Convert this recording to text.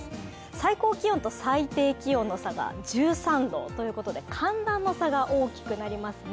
最高気温と最低気温の差が１３度ということで寒暖の差が大きくなりますね。